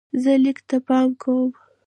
زه لیک ته پام کوم.